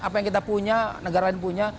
apa yang kita punya negara lain punya